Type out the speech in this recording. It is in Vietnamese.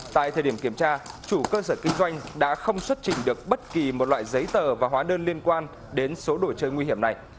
tại thời điểm kiểm tra chủ cơ sở kinh doanh đã không xuất trình được bất kỳ một loại giấy tờ và hóa đơn liên quan đến số đồ chơi nguy hiểm này